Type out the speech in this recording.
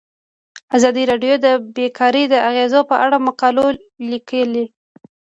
ازادي راډیو د بیکاري د اغیزو په اړه مقالو لیکلي.